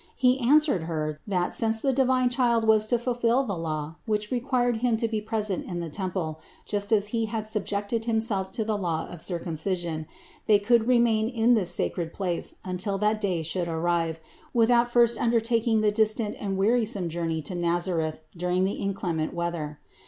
He answered Her, that, since the divine Child was to fulfill the law, which required Him to be presented in the temple, just as He had subjected Himself to the law of Circumcision, they could remain in this sacred place until that day should arrive, without first undertaking the dis tant and wearisome journey to Nazareth during the in clement weather.